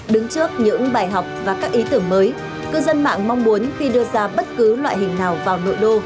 đứng trước những bài học và các ý tưởng mới cư dân mạng mong muốn khi đưa ra bất cứ loại hình nào vào nội đô